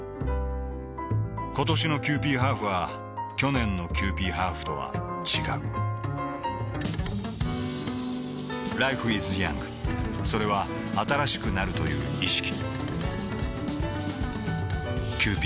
ことしのキユーピーハーフは去年のキユーピーハーフとは違うＬｉｆｅｉｓｙｏｕｎｇ．それは新しくなるという意識